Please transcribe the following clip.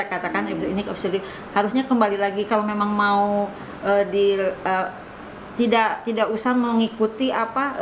katakan ini harusnya kembali lagi kalau memang mau di tidak usah mengikuti apa